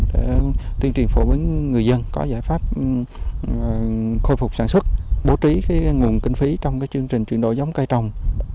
để tiên triển phổ bến người dân có giải pháp khôi phục sản xuất bố trí nguồn kinh phí trong chương trình chuyển đổi giống cây trồng